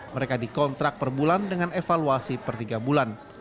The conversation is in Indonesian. mereka dikontrak perbulan dengan evaluasi per tiga bulan